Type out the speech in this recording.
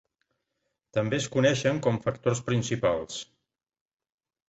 També es coneixen com "factors principals".